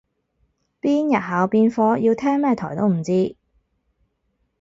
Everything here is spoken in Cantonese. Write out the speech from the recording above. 邊日考邊科要聽咩台都唔知